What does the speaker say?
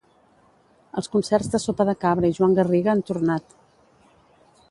Els concerts de Sopa de Cabra i Joan Garriga han tornat.